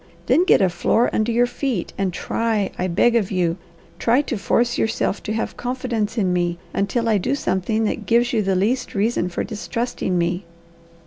"Then get a floor under your feet, and try, I beg of you, try to force yourself to have confidence in me, until I do something that gives you the least reason for distrusting me."